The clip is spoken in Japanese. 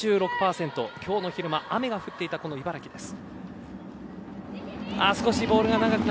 今日の昼間、雨が降っていた茨城です。